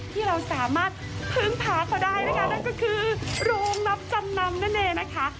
ที่เราสามารถพึ่งพาเขาได้นะคะนั่นก็คือโรงรับจำนำนั่นเองนะคะ